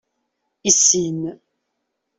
Issin.